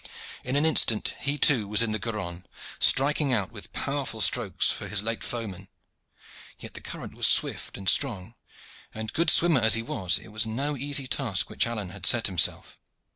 In an instant he, too, was in the Garonne, striking out with powerful strokes for his late foeman. Yet the current was swift and strong, and, good swimmer as he was, it was no easy task which Alleyne had set himself.